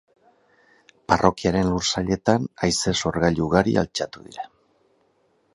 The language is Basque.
Parrokiaren lursailetan haize-sorgailu ugari altxatu dira.